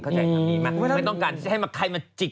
เข้าใจแบบนี้มากไม่ต้องการให้ใครมาจิก